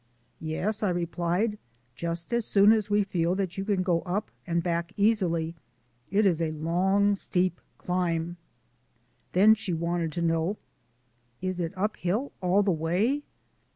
"Yes," I replied, "just as soon as we feel that you can go up and back easily. It is a long, steep climb." Then she wanted to know: "Is it uphill all the way?"